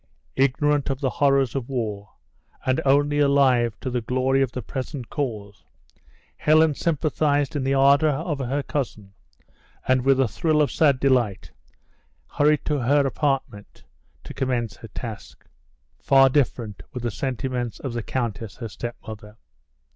Ignorant of the horrors of war, and only alive to the glory of the present cause, Helen sympathized in the ardor of her cousin, and with a thrill of sad delight hurried to her apartment, to commence her task. Far different were the sentiments of the countess, her stepmother.